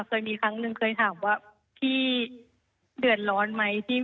เคยมีครั้งหนึ่งเคยถามว่าพี่เดือดร้อนไหม